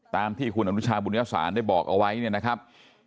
ตามที่คุณอนุชาบุญญศาสตร์ได้บอกเอาไว้เนี่ยนะครับ